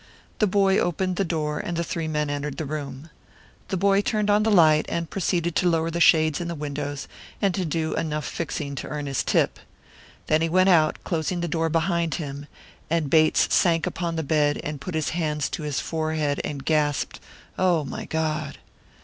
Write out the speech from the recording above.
The boy opened the door, and the three men entered the room. The boy turned on the light, and proceeded to lower the shades and the windows, and to do enough fixing to earn his tip. Then he went out, closing the door behind him; and Bates sank upon the bed and put his hands to his forehead and gasped, "Oh, my God."